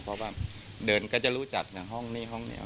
เพราะว่าเดินก็จะรู้จักห้องนี้ห้องนี้